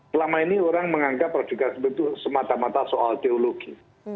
selama ini orang menganggap radikalisme itu semata mata soal teologi